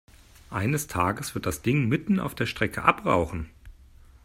Eines Tages wird das Ding mitten auf der Strecke abrauchen.